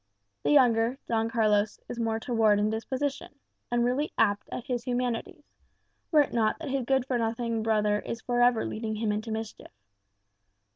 The younger, Don Carlos is more toward in disposition, and really apt at his humanities, were it not that his good for nothing brother is for ever leading him into mischief.